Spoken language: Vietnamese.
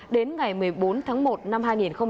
đến ngày một mươi bốn tháng một năm hai nghìn hai mươi